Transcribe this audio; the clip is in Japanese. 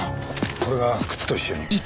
これが靴と一緒に。